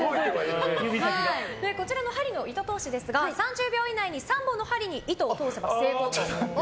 こちらの針の糸通しですが３０秒以内に３本の針に糸を通せば成功です。